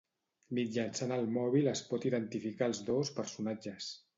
Mitjançant el mòbil es pot identificar als dos personatges.